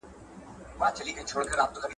ايا دا يو ملي لومړيتوب دی؟